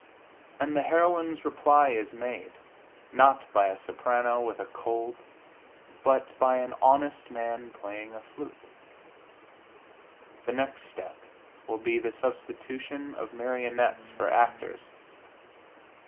And the heroine's reply is made, not by a soprano with a cold, but by an honest man playing a flute. The next step will be the substitution of marionettes for actors.